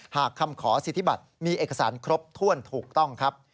หากคำขอสิทธิบัตรมีเอกสารครบถ้วนถูกต้องครับ